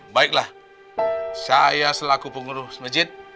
baiklah saya selaku pengurus masjid